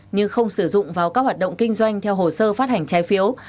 nhưng không sử dụng vào các hoạt động kinh doanh theo hồ sơ phát hành trái phiếu